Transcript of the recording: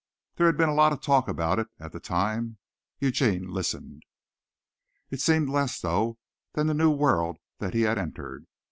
There had been a lot of talk about it at the time. Eugene listened. It all seemed less, though, than the new world that he had entered.